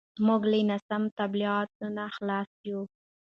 موږ له ناسم تبلیغاتو نه خلاص یو.